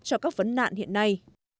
cho các vấn nạn hiện nay